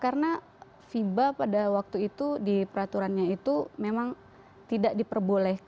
karena fiba pada waktu itu di peraturannya itu memang tidak diperbolehkan